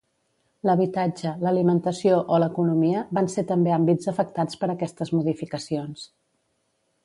L’habitatge, l’alimentació o l’economia van ser també àmbits afectats per aquestes modificacions.